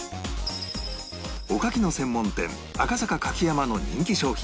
おかきの専門店赤坂柿山の人気商品